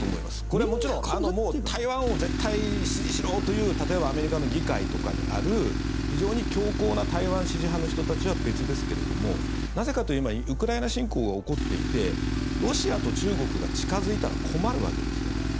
これ、もちろん台湾を絶対支持しろという例えばアメリカの議会とかにある非常に強硬な台湾支持派の人たちは別ですけれどもなぜかというと、今ウクライナ侵攻が起こっていてロシアと中国が近付いたら困るわけですよね。